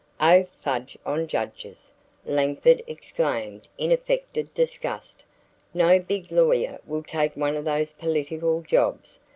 "Oh, fudge on the judges," Langford exclaimed in affected disgust. "No big lawyer will take one of those political jobs.